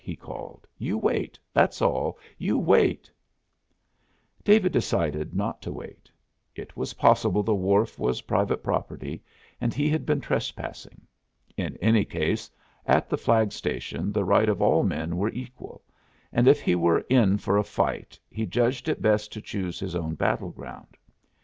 he called. "You wait, that's all, you wait!" David decided not to wait. It was possible the wharf was private property and he had been trespassing. In any case, at the flag station the rights of all men were equal, and if he were in for a fight he judged it best to choose his own battleground.